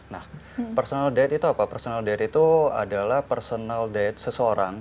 nah personal diet itu apa personal diet itu adalah personal diet seseorang